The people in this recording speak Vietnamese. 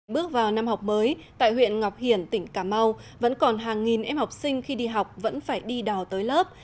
bước vào năm học mới tại huyện ngọc hiển tỉnh cà mau vẫn còn hàng nghìn em học sinh khi đi học vẫn phải đi đò tới lớp